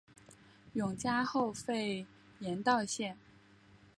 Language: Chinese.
永嘉后废严道县。